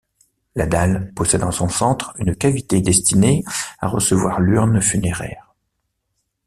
La dalle possède en son centre une cavité destinée à recevoir l'urne funéraire.